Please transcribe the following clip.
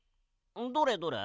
どれどれ？